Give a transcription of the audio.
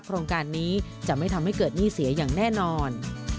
โครงการนี้จะไม่ทำให้เกิดหนี้เสียอย่างแน่นอน